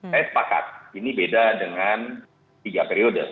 saya sepakat ini beda dengan tiga periode